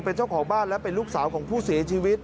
เป็นเจ้าของบ้านและเป็นลูกสาวของผู้เสียชีวิต